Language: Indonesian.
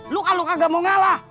lu kagak mau ngalah